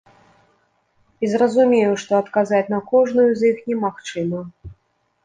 І зразумеў, што адказаць на кожную з іх немагчыма.